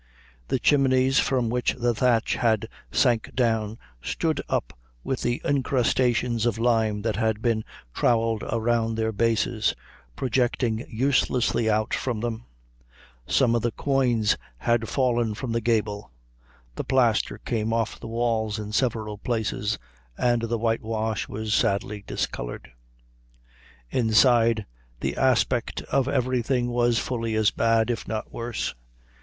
The chimneys, from which the thatch had sank down, stood up with the incrustations of lime that had been trowelled round their bases, projecting uselessly out from them; some of the quoins had fallen from the gable; the plaster came off the walls in several places, and the whitewash was sadly discolored. Inside, the aspect of everything was fully as bad, if not worse.